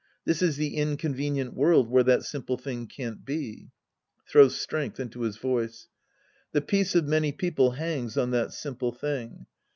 This is the inconvenient world where that simple tiling can't be. {Throws strength into his voice.) The peace of many people hangs on that simple thing.